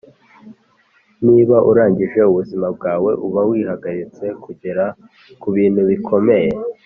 niba urangije ubuzima bwawe, uba wihagaritse kugera kubintu bikomeye.